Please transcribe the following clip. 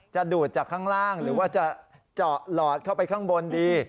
ดูดจากข้างล่างหรือว่าจะเจาะหลอดเข้าไปข้างบนดี